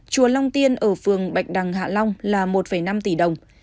chùa long tiên ở phường bạch đằng hạ long là một năm tỷ đồng